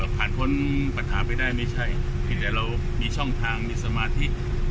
อ๋อผ่านผลปัจจ์ไปได้ไม่ใช่เพียงแล้วเรามีช่องทางมีสมาทิ